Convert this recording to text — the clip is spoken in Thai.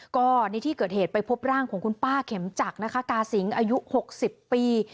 ก็ในที่เกิดเหตุไปพบร่างของคุณป้าเข็มจักรนะคะกาสิงอายุ๖๐ปี